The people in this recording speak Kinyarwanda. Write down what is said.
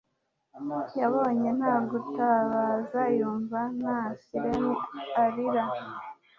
yabonye nta gutabaza, yumva nta siren arira